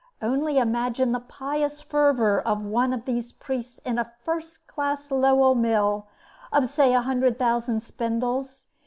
Only imagine the pious fervor of one of these priests in a first class Lowell mill, of say a hundred thousand spindles.